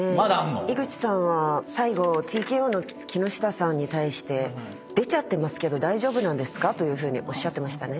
井口さんは最後ＴＫＯの木下さんに対して「出ちゃってますけど大丈夫なんですか？」とおっしゃってましたね。